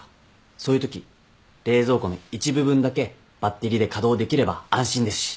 そういうとき冷蔵庫の一部分だけバッテリーで稼働できれば安心ですし。